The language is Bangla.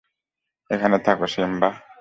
এখানে থাকো, সিম্বা!